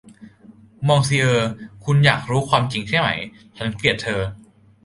มองซิเออร์ คุณอยากรู้ความจริงใช่ไหม ฉันเกลียดเธอ